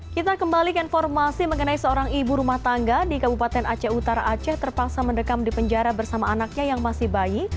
kita kembali ke informasi mengenai seorang ibu rumah tangga di kabupaten aceh utara aceh terpaksa mendekam di penjara bersama anaknya yang masih bayi